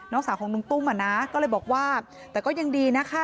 สาวของลุงตุ้มอ่ะนะก็เลยบอกว่าแต่ก็ยังดีนะคะ